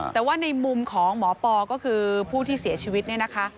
แต่ว่าในมุมของหมอปอก็คือผู้ที่เสียชีวิตเนี่ยนะคะ